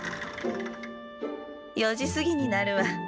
４時過ぎになるわ。